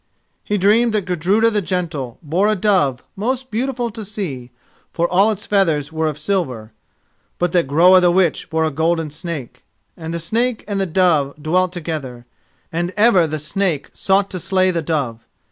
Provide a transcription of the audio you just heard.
He dreamed that Gudruda the Gentle bore a dove most beautiful to see, for all its feathers were of silver; but that Groa the Witch bore a golden snake. And the snake and the dove dwelt together, and ever the snake sought to slay the dove.